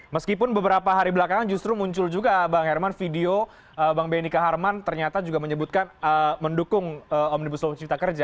meskipun beberapa hari belakangan justru muncul juga bang herman video bang benny kaharman ternyata juga menyebutkan mendukung omnibus law cipta kerja